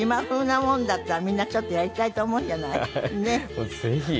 もうぜひ。